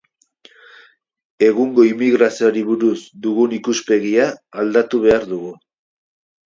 Egungo immigrazioari buruz dugun ikuspegia aldatu behar dugu.